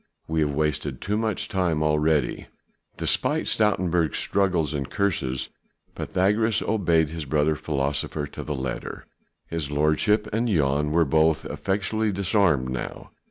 We have wasted too much time already." Despite Stoutenburg's struggles and curses Pythagoras obeyed his brother philosopher to the letter. His lordship and Jan were both effectually disarmed now.